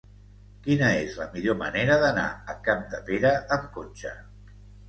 Quina és la millor manera d'anar a Capdepera amb cotxe?